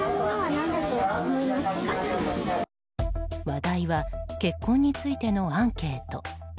話題は結婚についてのアンケート。